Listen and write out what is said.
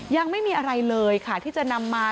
ยังไม่มีอะไรเลยค่ะที่จะนำมา